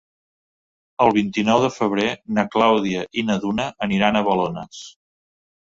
El vint-i-nou de febrer na Clàudia i na Duna aniran a Balones.